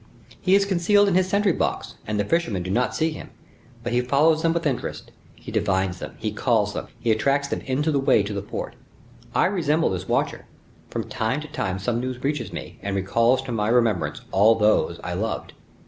He is concealed in his sentry box, and the fishermen do not see him; but he follows them with interest; he divines them; he calls them; he attracts them into the way to the port. I resemble this watcher; from time to time some news reaches me, and recalls to my remembrance all those I loved.